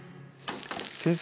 先生